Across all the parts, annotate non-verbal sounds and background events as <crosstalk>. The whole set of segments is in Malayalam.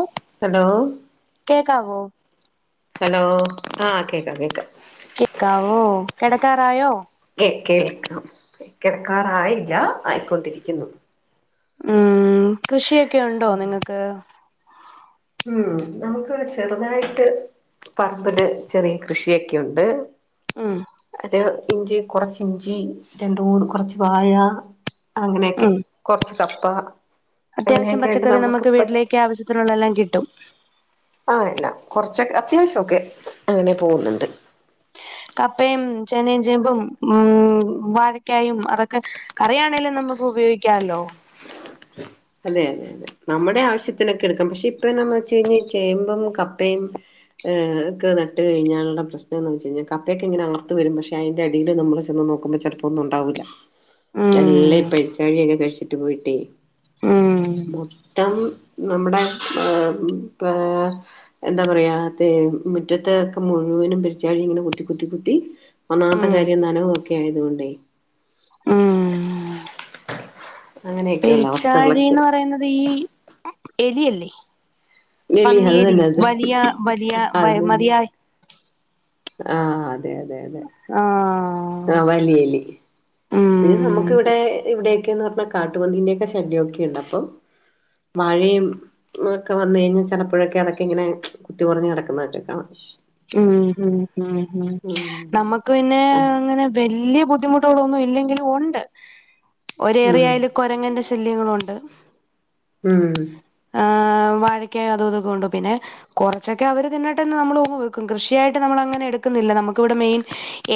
ഓ ഹലോ കേക്കാവോ ഹലോ ആഹ് കേക്കാം കേക്കാം കെക്കാവോ കെടക്കാറായോ? കെ കേൾക്കാം കെട്ക്കാറായില്ല ആയിക്കൊണ്ടിരിക്കുന്നു ഉം കൃഷിയൊക്കെയുണ്ടോ നിങ്ങക്ക്? ഉം നമുക്ക് ചെറുതായിട്ട് പറമ്പില് ചെറീ കൃഷിയൊക്കെയുണ്ട് ഉം അത് ഇഞ്ചി കൊറച്ച് ഇഞ്ചി രണ്ട് മൂന്ന് കൊറച്ച് വാഴ അങ്ങനെയൊക്കെ ഉം കൊറച്ച് കപ്പ അങ്ങനെയൊക്കെ ആയ്ട്ട് ന്നമുക്ക് പറ്റ് ത്രന്നല്ലോം കിട്ടും ആഹ് ആല്ല കൊർച്ചൊക്കെ അത്യാവശ്യ ഒക്കെ അങ്ങനെ പോഉന്നുണ്ട് കപ്പയും, ചേനയും, ചേമ്പും മ് വാഴക്കായും അതൊക്കെ കറി ആണേലും ന്നമുക്ക് ഉപയോഗിക്കാലോ അതെ അതെ അതെ ന്നമ്മടെ ആവശ്യത്തിനൊക്കെ എടുക്കും പക്ഷെ ഇപ്പ എന്നാ വെച്ചഴ്ഞാ ഈ ചേമ്പും, കപ്പയും ഏ ഒക്കേ ന്നട്ട് കഴ്ഞ്ഞാഇള്ള പ്രശ്നം ന്ന് വെച്ചഴ്ഞ്ഞാ കപ്പയൊക്കെ ഇങ്ങന അവസ്ഥ വെരും പക്ഷെ അയ്ൻ്റ അടീല് ന്നമ്മള് ചെന്ന് നോക്കുമ്പ ചി ചെൽപ്പൊന്നുണ്ടാഊല ഉം എല്ലം ഇ പെരിച്ചാഴിയൊക്കെ കഴിച്ചിട്ട് പോയിട്ടേ മ്മ് മൊത്തം ന്നമ്മുടെ ഏ മ് പ്ലേ എന്താ പറയാ അതേ മുറ്റത്ത് ഒക്കെ മുഴുവനും പെരിച്ചാഴി ഇങ്ങനെ കുത്തി കുത്തി കുത്തി ഒന്നാമത്ത ഉം കാര്യം ന്നനവൊക്കെ ആയതുകൊണ്ടേ ഉം അങ്ങനെയൊക്കെയുള്ള പെരിച്ചാഴി ന്ന് അവസ്ഥകളൊക്കെയാ പറയുന്നത് ഈ എലിയല്ലേ ഇല്ലല്ല അത് പന്നിഎലി തന്നെ അത് തന്നെ വലിയ വലിയ വൈ അത് തന്നെ മതിയായ് ആഹ് അതെ അതെ അതെ ആഹ് ആഹ് വലിയെലി പിന്നെ ഉം നമുക്കവിടെ ഇവിടെയൊക്കെന്ന് പറഞ്ഞാ കാട്ടുപന്നിന്റെയൊക്കെ ശല്യയൊക്കെുണ്ട് അപ്പോ വാഴയും അതൊക്കെ വന്ന കഴിഞ്ഞാ ചിലപ്പോഴൊക്കെ അതൊക്കെങ്ങനെ കുത്തി മറിഞ് കിടക്കുന്നതൊക്കെ കാണാം ഉം ഉം ഉം ഉം നമ്മക്ക് പിന്നെ അങ്ങനെ വലിയ ബുദ്ധിമുട്ട്കളൊന്നും ഇല്ലങ്കിലും ഒണ്ട് ഉം ഒരേറിയാലും കൊ കൊരങ്ങന്റെ ശല്യങ്ങള് ഒണ്ട് ഉം ആഹ് വാഴക്കയ അത് ഇതൊക്കെ ഉണ്ട് പിന്നെ കുറച്ചൊക്കെ അവര് തിന്നിട്ട്ന്നൊക്കേ നമ്മള് ഓഹ് കൃഷിയായിട്ട് നമ്മള് അങ്ങനെ എടുക്കുന്നില്ല നമുക്കിവിടെ മെയിൻ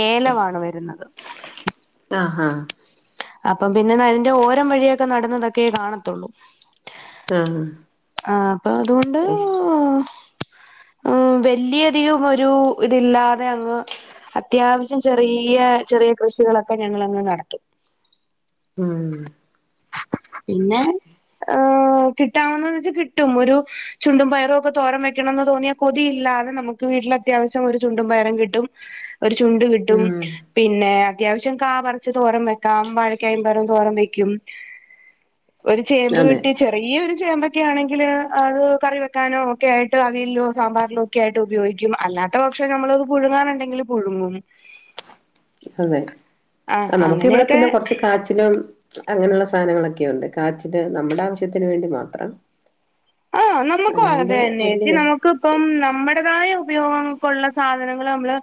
ഏലാവാണ് വരുന്നത് ആഹ് ഹ അപ്പം പിന്നെ അതിന്റെ ഓരം വഴിയൊക്കെ നടന്നതൊക്കെ കാണത്തുള്ളൂ ആഹ് ആഹ് അപ്പൊ അതുകൊണ്ട് അത് ശരി ഉം വല്ലിയധികം ഒരു ഇതില്ലാതെ അങ്ങ് അത്യാവശ്യം ചെറിയ ചെറിയ കൃഷികളൊക്കെ ഞങ്ങള്ങ്ങ് നടത്തും ഉം പിന്നെ ആഹ് കിട്ടാവുന്ന വെച്ചാ കിട്ടും ഒരു ചുണ്ടും പയറും ഒക്കെ തോരം വെക്കണംന്ന് തോന്നിയ കൊതിയില്ലാതെ നമുക്ക് വീട്ടില് അത്യാവശ്യം ഒരു ചുണ്ടും പയറും കിട്ടും <inaudible> ഒരു ചുണ്ട് കിട്ടും ഉം പിന്നെ അത്യാവശ്യം കാ പറിച്ച് തോരം വെക്കും കാ വാഴക്കയമ്പറം തോരം വെക്കും ഒരു ചേമ്പ് അതെ വെട്ടി ചെറിയൊരു ചെമ്പൊക്കെ ആണെങ്കിൽ അത് കറി വെക്കാനോക്കെയായിട്ട് അവിലോ സാമ്പാറിലോ ഒക്കെയായിട്ട് ഉപയോഗിക്കും അല്ലാത്ത പക്ഷം നമ്മളത് പുഴുങ്ങാനുണ്ടെങ്കിൽ പുഴുങ്ങും അതെ ആഹ് നമ്മക്ക് ഇവിടെ പിന്നെ കൊറച്ച് കാച്ചിലും അങ്ങനെയുള്ള സാധനങ്ങളൊക്കെയ ഉണ്ട് കാച്ചില് നമ്മടെ ആവശ്യത്തിന് വേണ്ടി മാത്രം ആഹ് നമ്മക്ക് അത് അല്ലാണ്ട് വലിയ അന്നെച്ചി കൃഷി നമുക്ക് ഇപ്പം നമ്മടേതായ ഉപയോഗങ്ങൾക്കുള്ള സാധനങ്ങള് നമ്മള്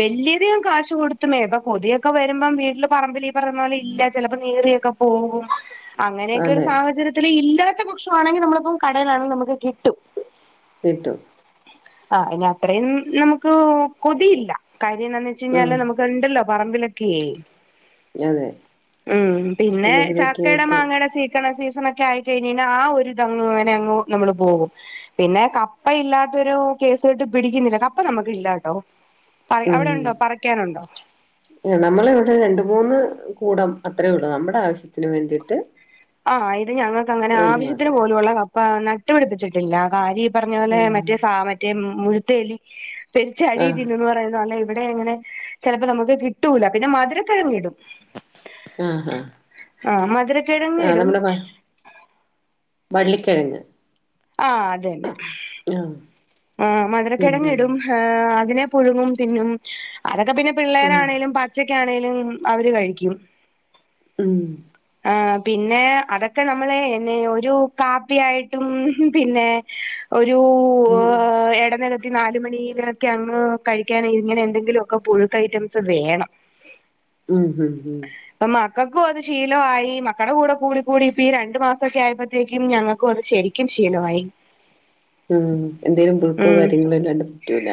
വലിയധികം കാശ് കൊടുത്തുമേ ഇപ്പൊ കൊതിയൊക്കെ വരുമ്പം വീട്ടില് പറമ്പിൽ ഈഹ് പറയുന്ന പോല ഇല്ല ചിലപ്പോ നീറീയൊക്കെ <inaudible> അങ്ങനേക്കെ ഒരു അതെ സാഹചര്യത്തില് ഇല്ലാത്ത പക്ഷവാണെങ്കി നമ്മളിപ്പം കടേലാണെങ്കി നമുക്ക് കിട്ടും കിട്ടും ആഹ് അയ്ന് അത്രയും നമ്മക്ക് കൊതിയില്ല കാര്യയെന്താന്ന് വെച്ച ഴിഞ്ഞാല് ഉം നമുക്ക് - അത്ണ്ടല്ലൊ പറമ്പിലൊക്കേ അതെ ഉം പിന്നെ എന്തെങ്കിലുമൊക്കെ ചക്കേടേം ആയിട്ട് മാങ്ങേടേം സീ- സീസണക്കെ ആയിക്കഴിഞ്ഞഴിഞ്ഞ ആഹ് ഒരിതങ്ങനെ അങ്ങ് നമ്മള് പോകും പിന്നെ കപ്പ ഇല്ലാത്തൊരു കേസെട്ട് പിടിക്കുന്നില്ല കപ്പ നമ്മക്ക് ഇല്ലാട്ടൊ പറിക്കാ അവിടെ ഉണ്ടോ പറിക്കാനുണ്ടൊ നമ്മളിവിടെ രണ്ട് മൂന്ന് കൂടം അത്രേള്ളു നമ്മടെ ആവശ്യത്തിന് വേണ്ടീട്ട്- ആഹ് ഇത് ഞങ്ങക്ക് അങ്ങന ആവിശ്യത്തിന് മാത്രം പോലുള്ള കപ്പ നട്ട്പിടിപ്പിച്ചിട്ടില്ല കാര്യം - പറഞ്ഞോലെ ആഹ് മറ്റെ സാ മറ്റെ മുഴുത്തേലി പെരിച്ചാഴി ആഹ് തിന്നന്ന് പറയുന്നപോലെ ഇവിടെ അങ്ങനെ ചെലപ്പം നമ്മക്ക് കിട്ടൂല പിന്ന മധുരക്കെഴങ്ങിടും ആഹ് ആഹ് ആഹ് മധുരക്കെഴങ്ങ് - അതമ്മടെ വ വള്ളിക്കെഴങ്ങ് ആഹ് അതന്നെ ആഹ് ആഹ് ഉം ഉം മധുരക്കെഴങ്ങിടും അതിനെ പുഴുങ്ങും തിന്നും അതൊക്ക പ്പിന്നെ- ഉം പിള്ളേരാണേലും പച്ചക്കാണേലും അവര് കഴിക്കും- ഉം ആഹ് പിന്നേ അതൊക്കെ നമ്മള് എന്നെയൊരു കാപ്പി ആയിട്ടും പിന്നേ- ഒരു ഉം എടനെല- നാലുമണിലൊക്കെ അങ്ങ് കഴിക്കാൻ ഇങ്ങനെ എന്തെങ്കിലു ഒക്കെ പുഴുക്കൈറ്റംസ് വേണം ഉം ഉം ഉം പ്പം മക്കക്കുഅത് ശീ- ലവായി മക്കള കൂടെ കൂടി കൂടി ഇപ്പ ഈ രണ്ടു മാസൊക്കെ ആയപ്പോത്തേക്കും ഞങ്ങൾക്കു അത് ശെരിക്കും ശീലവായി ഉം എന്തേലും പുഴുക്കോ ഉം കാര്യങ്ങളൊ ഇല്ലാണ്ട് പറ്റൂല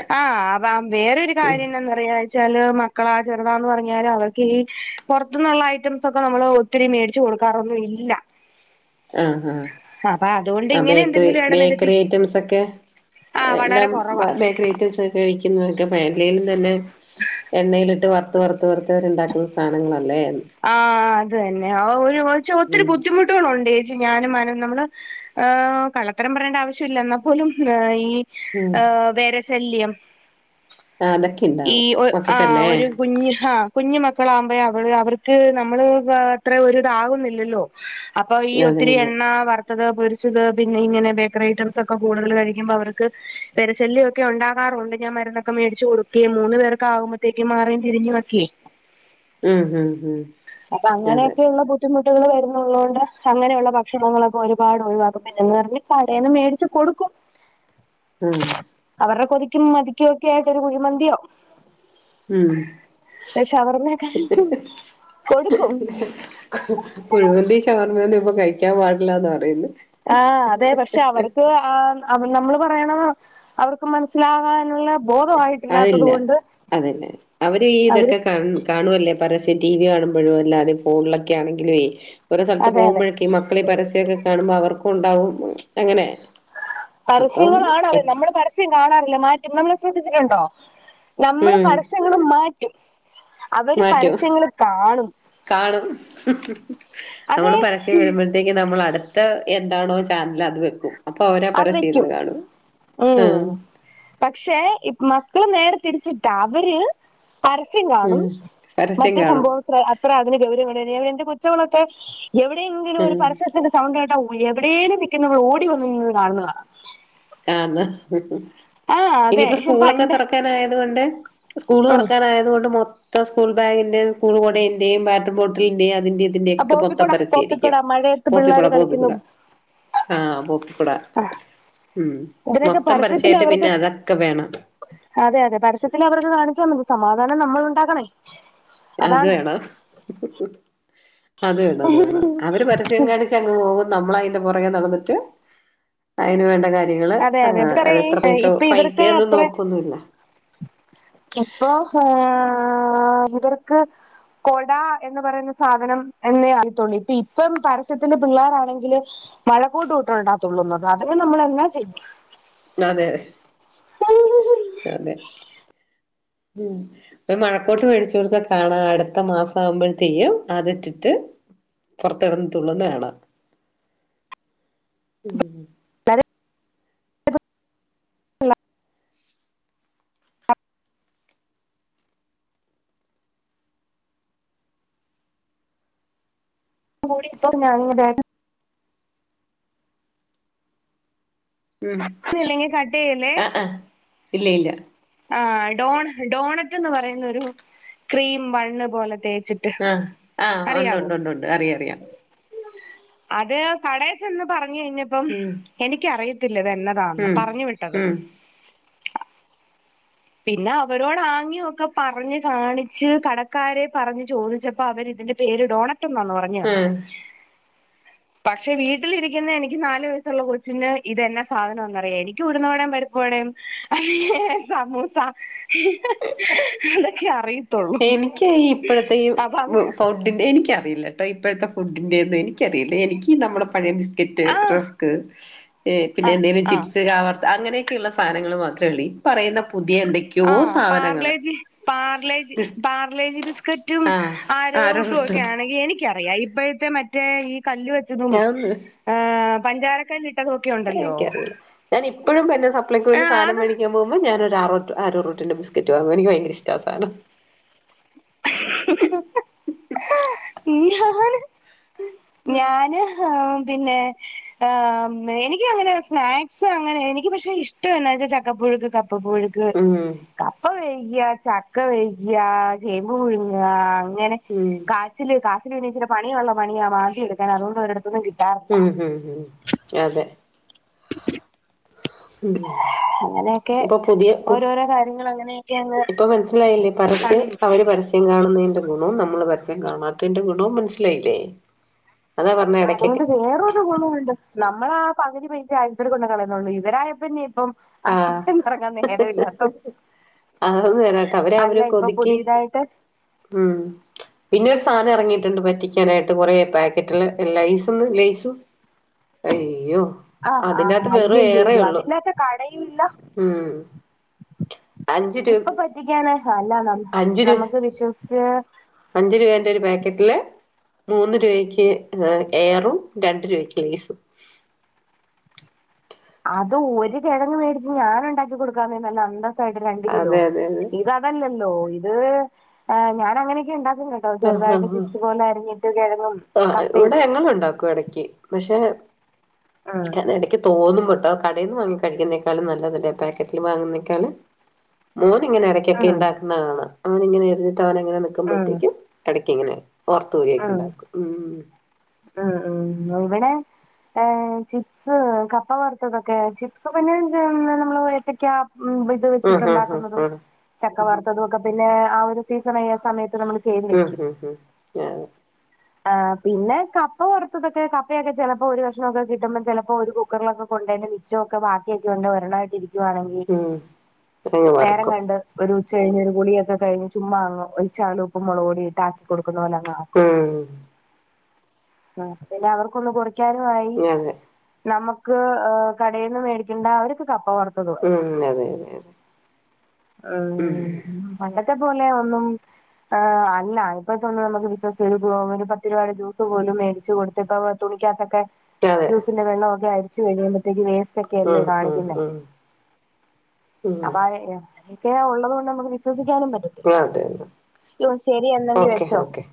ഉം പറഞ്ഞാച്ചാല് മക്കളാ ചെറുതാന്ന് പറഞ്ഞാല് അവർക്ക് ഈ പൊറത്തുന്നുള്ള ഐറ്റംസ് ഒക്ക നമ്മള്- ഒത്തിരീം മേടിച്ച് കൊടുക്കാറൊന്നും ഇല്ല ആഹ് ആഹ് അപ്പൊ അതുകൊണ്ട് ആഹ് ഇങ്ങനെ ബേക്കറി എന്തെങ്കിലും എട നികത്തി ബേക്കറി ഐറ്റംസൊക്കെ- ആഹ് വളരെ എല്ലാം കുറവാ ബേക്കറിഐറ്റംസൊ- കഴിക്കുന്നതൊക്കെ <unintelligible> തന്നെ എണ്ണയിലിട്ട് വറുത്ത് വറുത്ത് വറുത്ത്അവരുണ്ടാക്കുന്ന സാ - നങ്ങളല്ലേ ആഹ് ആഹ് അത് ന്നെ ആഹ് ഒരു ഒരുച്ച ഒത്തിരി ഉം ബുദ്ധിമു- ണ്ട് യേച്ചി ഞാനും മാനും നമ്മള് കള്ളത്തരം പറയേണ്ട ആവശ്യ ഇല്ല എന്നാ പോലും ഈ ഉം ഏഹ് വേരശല്യം ആ അതൊക്കെ ഈ ഇണ്ടാവും ഒ ആഹ് മക്കക്കല്ലേ ഒരു കുഞ്ഞ് ഹാ - കുഞ്ഞ് മക്കളാവുമ്പൊഴ് അവള് അവർക്ക് നമ്മള് അത്ര ഒരു ഇതാവുന്നില്ലല്ലൊ അപ്പൊ ഈ അതെ ഒത്തിരി അതെ എണ്ണ വറ് ത്തത്, പൊരിച്ചത് പിന്നെ ഇങ്ങനെ ബേക്കറി ഐറ്റംസ് ഒക്ക കൂടുതല് കഴിക്കുമ്പൊ അവർക്ക് വെര ശല്യൊക്കെ ഒണ്ടാകാറുണ്ട് ഞാൻ മരുന്നൊക്കെ മേടിച്ച് കൊടുക്കേം മൂന്ന് പേർക്ക് ആവുമ്പഴത്തേക്കും മാറിയും തിരിഞ്ഞു വൊക്കെ ഉം ഉം ഉം അപ്പൊ അതെ അങ്ങനേക്കെയുള്ള ബു ബുദ്ധിമുട്ടുകൾ വരുന്നുള്ളോണ്ട് അങ്ങനെയുള്ള ഭക്ഷണങ്ങളൊക്കെ ഒരുപാട് ഒഴിവാക്കും പിന്നെന്ന് പറഞ്ഞ് കടേന്ന് മേടിച്ചു കൊടുക്കും ആഹ് അവരുടെ കൊതിക്കും മതിക്കും ഒക്കെ ആയിറ്റ് ഒര് കുഴിമന്തിയോ ഉം ഷവർമെക്കെ കുഴിമന്തി ശവർമ്മയൊന്നും ഇപ്പൊ കഴിക്കാൻ പാടില്ലന്ന് പറയുന്നു ആഹ് അതെ പക്ഷെ അവർക്ക് ആ അ നമ്മള് പറയണ അവർക്ക് മനസ്സിലാകാനുള്ള ബോധമായിട്ടില്ലാത്തത് അതില്ല കൊണ്ട് അതന്നെ അവര ഈ അവര് ഇതൊക്കെ കാ കാണുവല്ലേ പരസ്യ ടി വി കാണുമ്പോഴും അല്ലാതെ ഫോണിലൊക്കെ ആണെങ്കിലുവേ ഓരോ സ്ഥലത്ത് അതെ അതെ പോകുമ്പോഴക്കും ഈ മക്കള പരസ്യൊക്കെ കാണുമ്പോ അവർക്കും ഉണ്ടാവും അങ്ങനെ അപ്പം പരസ്യങ്ങളാണതെ എപ്പ നമ്മള് പരസ്യം കാണാറില്ല മാറ്റും നമ്മളെ ശ്രദ്ധിച്ചിട്ടുണ്ടോ നമ്മള് ഉം പരസ്യ മാറ്റും അവര് മാറ്റും പരസ്യങ്ങള് കാണും കാണും അതെ നമ്മള് പരസ്യം വരുമ്പോ നമ്മൾ അടുത്ത എന്താണോ ചാനൽ അത് വെക്കും അപ്പൊ അവരാ ആ അത് പരസ്യം വെക്കും ഇരുന്ന് കാണൂ ഉം ആഹ് പക്ഷെ മക്കള് നേരെ തിരിച്ചിട്ടാ അവര് പരസ്യം ഉം കാണും മറ്റ പരസ്യം കാണും സംഭവ അത്ര അതിന് ഗൗരവംണ്ട എന്റെ കൊച്ചങ്ങളൊക്കെ എവിടെയെങ്കിലും ഒരു ഉം പരസ്യത്തി സൗണ്ട്കേട്ട എവിടെയേും നിൽക്കുന്നടെ ഓടി വന്ന് നിന്ന് കാണുന്നതാണ് ആണോ ആ അതെ ഇനിയിപ്പ സ്കൂളൊക്കെ തോറ പണ്ട് തോറക്കാനായത്കൊണ്ട് സ്കൂള് ഉം തൊറക്കാനായത് കൊണ്ട് മൊ ത്തം സ്കൂൾ ബാഗിന്റെ സ്കൂൾ കുടന്റെയും വാട്ടർ ബോട്ടിലിന്റെയും അതിന്റെ ഇതിന്റെയഒക്കെ പൊത്തം പോപ്പിക്കൊട പരസ്യം ആരിക്കും പോപ്പിക്കൊട മഴയത്ത് പിള്ളേർ കളിക്കുന്നു പോപ്പിക്കുടപോപ്പിക്കുട ആഹ് പോപ്പിക്കൂട ഉം ഇതിനൊക്കെ മൊത്തം പരസ്യത്തിൽ പരസ്യായിട്ട് പിന്നെ അവർക്ക് അതൊക്കെ വേണം അതെ അതെ പരസ്യത്തിൽ അവർത് കാണിച്ചു തന്നത് സമാധാനം നമ്മൾ ഉണ്ടാക്കണേ അത് അതാണ് വേണം അത് വേണം അത് വേണം അവര് പരസ്യം കാണി ച്ചങ്ങ് പോവും നമ്മളയിന്റെ പുറകെ നടന്നിട്ട് അയ്ന് വേണ്ടാകാര്യ നിങ്ങള് അതെ അതെ ഏഹ് ഇവരെ എത്ര പൈസ, ഇപ്പൊ ഇവർക്ക് പൈസയൊന്നും നോക്കൊന്നുല്ല ഇപ്പോ ഏഹ് ഇവർക്ക് കൊട എന്ന് പറയുന്ന സാധനം എന്നേ അറിയത്തോള്ളൂ ഇപ്പ ഇപ്പം പരസ്യത്തിന്റെ പിള്ളേരാണെങ്കിലും മഴ കോട്ടും ഇട്ടോണ്ടാത്തുള്ളുന്നത് അതിന് നമ്മളെന്നാ ചെയ്യും അതെ അതെ മം ഇപ്പ മഴക്കോട്ട് മേടിച്ചു കൊടുത്ത കാണാ അടുത്ത മാസാവുമ്പോഴതേക്കും അത് ഇട്ടിട്ട് പൊറത്ത്കടന്ന് തുള്ളുന്നെ കാണാം <unintelligible> <unintelligible> കൂടി ഇപ്പ ഞങ്ങടെണ് ഉം ഇല്ലെങ്കിൽ കട്ട് ചെയ്യല്ലേ ആഹ് ആഹ് ഇല്ല ഇല്ല ആഹ് ഡോണ് ഡോണറ്റ് എന്ന് പറയുന്നൊരു ക്രീം ബണ്ണ് പോലെ തേച്ചി ആഹ് ആഹ് ഒണ്ട് ഒണ്ട് ഒണ്ട്ണ്ട് അറിയാം അറിയാം അത് കടെച്ചെന്ന് പറഞ്ഞു കഴിഞ്ഞപ്പം ഉം എനിക്കറിയത്തില്ലത് എന്നാ താ ന്ന് ഉം പറഞ്ഞു വിട്ടത് ഉം പിന്നെ അവരോടാങ്ങ്യൊക്കെ പറഞ്ഞ് കാണിച്ച് കടക്കാരെ പറഞ് ചോദിച്ചപ്പോ അവരിതിന്റെ പേര് ഡോണറ്റ്ന്നാന്ന് പറഞ്ഞ് തന്ന് ഉം പക്ഷെ വീട്ടിലിരിക്കുന്ന എനിക്ക് നാല് വയസ്സുള്ള കൊച്ചിന് ഇതെന്നാ സാധനോന്നറിയാം എനിക്ക് ഉഴുന്ന് വടേം പരിപ്പ് വടേം ഏഹ് സമൂസ അതൊക്കെ അറിയു എനിക്ക് ഈ ഇപ്പഴത്തെ ഈ അവർ ഫുഡിന്റെ എനിക്കറിയില്ലട്ട ഇപ്പോഴത്തെ ഫുഡൻ്റെ ഒന്നും എനിക്ക് അറിയില്ല എനിക്ക് നമ്മളെ പഴയ ബിസ് ക്കറ്റ് ആ റസ്ക്ക് പിന്നെ ആ എന്തെലും ആ ചിപ്സ് കാ വർത്തത് അങ്ങനെ ക്കെള്ള സാധനങ്ങൾ മാത്രേള്ളൂ ഇപറയുന്ന പുതിയ എന്തൊക്കെയോ സാധനങ്ങൾ പാർലേ പാർലേജി ബിസ്ക്കറ്റും ആഹ് ആരോറൂട്ടും ഒക്കെ ആരോടും ആണെങ്കിൽ എനിക്കറിയാ ഇപ്പ മറ്റേ ഈ കല്ല് വെച്ചതും ഞാനൊന്ന് ഏഹ് പഞ്ചാരക്കല്ല് എനിക്കറിയില്ല ഞാൻ ഇപ്പഴും പിന്നെ സപ്ലൈ കോയിൽ ആഹ് സാനം അത് മേടിക്കാ പോവ്മ്പോ ഞാനൊരു ആറോ ആരോ റൂട്ടിന്റെ ബിസ്കറ്റ് വാങ്ങും എനിക്ക് ഭയങ്കര ഇഷ്ട്ടാ ആ സാനം ഞാന് ഞാന് ആഹ് പിന്നെ ആഹ് എനിക്ക് അങ്ങനെ സ്നാക്ക്സ് അങ്ങനെ എനിക്ക് പക്ഷെ ഇഷ്ടം എന്നാ വെച്ചാ ചക്കപ്പുഴുക്ക് കപ്പ പുഴുക്ക് ക്ക് ഉം കപ്പ വേവിക്കാ ചക്ക വേവിക്കാ ചേമ്പ് പുഴുങ്ങാ അങ്ങനെ ഉം കാച്ചില് കാച്ചില് പിന്നെ ഇച്ചിരി പണിയുള്ള പണിയാ മാന്തി എടുക്കാന് അതൊണ്ട് ഒരെടുത്ത്ന്നും കിട്ടാറില്ല ഉം ഉം അതെ <inaudible> ഉം അങ്ങനെയൊക്കെ ഇപ്പൊ പുതിയ പു ഓരോരോ കാര്യങ്ങൾ അങ്ങനെയൊക്കെ അങ്ങ് ഇപ്പൊ മനസിലായില്ലേ പരസ്യം കളയും അവര് പരസ്യ രസ്യം കാണുന്നതിന്റെ ഗുണും നമ്മള് പരസ്യം കാണാത്തതിന്റെ ഗുണവും മനസ്സിലായില്ലേ അതാ പറഞ്ഞ അതോണ്ട് ഇടക്കൊക്കെ വേറൊരു ഗുണണ്ട് നമ്മളാ പകുതി പൈസെയേ ആയ്ച്ചേൽ കൊണ്ടോയി കളയുന്നുള്ളൂ ഇവരായപ്പിന്നെ ഇപ്പം ആഹ് ആശുപത്രിന്ന് എറങ്ങാൻ നേരല്ലാത്തത് അതൊന്ന് തരാട്ടോ അവര് അല്ല അവര് ഇപ്പൊ കൊതിക്ക് പുതിയതായിട്ട് ഉം പിന്നെ ഒരു സാധനം ഇറങ്ങിയിട്ടുണ്ട് പറ്റിക്കാനായിട്ട് കൊറേ പാക്കറ്റില് ലൈസും ലൈസും അയ്യോ ആഹ് ആഹ് അതിന്റകത്ത് വെറും ഏറെ അയ്യയ്യയ്യോ ഉള്ളു അതില്ലാത്ത കടയും ഇല്ല ഉം അഞ്ച് രൂ ഇപ്പ പറ്റിക്കാന് അല്ല അഞ്ച് രൂ നമുക്ക് വിശ്വസിച്ച് അഞ്ച് രൂപേന്റെ ഒരു പാക്കറ്റില് മൂന്ന് രൂപയ്ക്ക് എയറും രണ്ട് രൂപയ്ക്ക് ലേസും അത് ഒരു കിഴങ്ങ് മേടിച്ച് ഞാൻ ഉണ്ടാക്കി കൊടുക്കാന്നേ നല്ല അന്തസ്സായിട്ട് രണ്ട് കിലോ അതെ അതെ അതെ ഇത അതല്ലല്ലോ ഇത് ഞാൻ അങ്ങനെയൊക്കെ ഇണ്ടാക്കും കേട്ടോ ആഹ് ചെറുതായിട്ട് ആഹ് ആഹ് ചിപ്സ് പോല അരഞ്ഞ് ട്ട് കെഴങ്ങും ആ ഇവിടെ ഞങ്ങൾ ഇണ്ടാക്കും എടക്ക് പക്ഷെ ആഹ് ഇടക്ക് തോന്നു കേട്ടോ കടയിൽ നിന്ന് വാങ്ങി കഴിക്കുന്നതിനേക്കാൾ നല്ലതല്ലേ പാക്കറ്റിൽ വാങ്ങുന്നേക്കാൾ മോൻ ഇങ്ങനെ ഇടയ്ക്കൊക്കെ ആഹ് ഇണ്ടാക്കുന്നത് കാണാം അവൻ ഇങ്ങെനെ എറിഞ്ഞിട്ട് അവൻ ഇങ്ങനെ ആഹ് നിക്കുമ്പോഴത്തേക്കും ഇടക്ക് ഇങ്ങനെ ഓർത്തരിയൊക്കെ ഉണ്ടാക്കും ഉം ആഹ് ആഹ് ഇവ്ടെ ഏഹ ചിപ്സ് കപ്പ വറുത്തതൊക്കെ ചിപ്സ് പിന്നെ നമ്മള് ഏത്തക്ക ഇത്‌ ആഹ് ആഹ് ആഹ് വെച്ചിട്ടുണ്ടാക്കുന്നതും ആഹ് ചക്ക വറത്തതൊക്കെ പിന്നെ ആ ഒരു സീസൺ സമയ ഉം ഉം ഉം ആഹ് പിന്നെ കപ്പ വറുത്തതൊക്കെ കപ്പയൊക്കെ ചിലപ്പോൾ ഒരു കഷ്ണൊക്കെ കിട്ടുമ്പോ ചിലപ്പോ ഒരു കുക്കറിലൊക്കെ കൊണ്ടന്നെ ഉച്ച ഒക്കെ ബാക്കിയൊക്കെ ഉണ്ട് ഒരെണ്ണമായിട്ട് ഇരിക്കുയാണെങ്കിൽ ഉം അതെ ഉം അങ്ങ് നേരം മറക്കും കണ്ട് ഒരു ഉച്ച കഴിഞ്ഞ് ഒരു കുളിയൊക്കെ കഴിഞ്ഞ് ചുമ്മാങ്ങ ഒരു ചകലം ഉപ്പും മുളകുപൊടിയും ഇട്ടാക്കി കൊടുക്കുന്ന പോലെ അങ്ങാക്കും മ്മ് ആഹ് പിന്നെ അവർക്കൊന്ന് കൊറിക്കാനും ആയി അതെ നമുക്ക് കടയിൽ നിന്ന് മേടിക്കേണ്ട അവർക്ക് കപ്പ വറത്ത തും ആയി ഉം അതെ അതെ മ്മ് പണ്ടത്തെ പോലെ ഒന്നും ആഹ് അല്ല ഇപ്പഴത്തെ ഒന്നും നമുക്ക് വിശ്വസിച്ച് ഒരു ഒരു പത്ത് രൂപയുടെ ജ്യൂസ് പോലും മേടിച്ചു കൊടുത്ത് ഇപ്പം തുണിക്കാത്തൊക്കെ അതെ പിന്നെ വെള്ളൊക്കെ അരിച്ച് കഴിയുമ്പഴത്തേക്ക് വേ ച്ചക്കല്ലേ ഉം ഉം കാണിക്കുന്നേ ഉം ഉം അപ്പൊ അതൊക്കെ ഉള്ളത് കൊണ്ട് നമുക്ക് വിശ്വസിക്കാനും അതെന്നെ പറ്റത്തില്ല ശരി എന്നെങ്കി ഓക്കെ വെച്ചോ ഓക്കെ